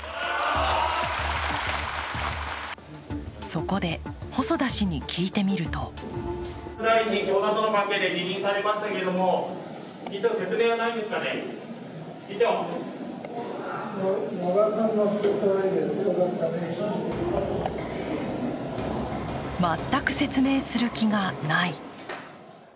そこで、細田氏に聞いてみると全く説明する気がない。